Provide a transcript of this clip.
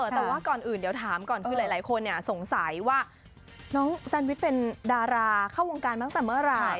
แต่ถามคุณก่อนที่หลายคนสงสัยกว่าน้องแซนวิทย์เป็นดาราเข้าวงการมาตั้งแต่เมื่อไหร่